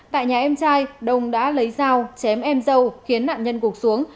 tại nhà em trai đông đã lấy dao chém em dâu khiến nạn nhân gục xuống